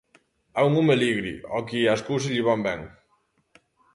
É un home alegre ao que as cousas lle van ben.